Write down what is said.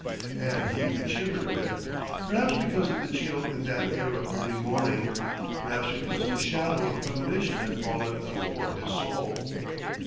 And he even shivered a bit, perhaps because of the chill in that air of early morning, perhaps because a shadow of premonition had fallen athwart his soul....